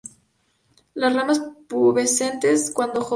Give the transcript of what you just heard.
Las ramas pubescentes cuando jóvenes.